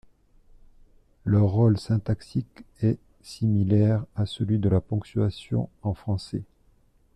Leur rôle syntaxique est similaire à celui de la ponctuation en français.